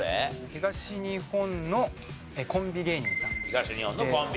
東日本のコンビ芸人。